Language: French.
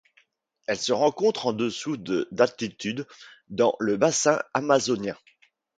Elle se rencontre en dessous de d'altitude dans le bassin Amazonien.